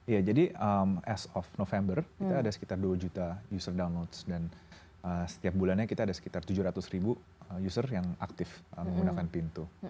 ya jadi as of november kita ada sekitar dua juta user downloads dan setiap bulannya kita ada sekitar tujuh ratus ribu user yang aktif menggunakan pintu